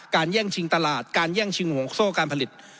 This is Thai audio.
แย่งชิงตลาดการแย่งชิงห่วงโซ่การผลิต